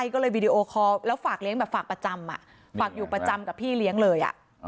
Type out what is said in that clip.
ก็เลยวีดีโอคอลแล้วฝากเลี้ยงแบบฝากประจำฝากอยู่ประจำกับพี่เลี้ยงเลย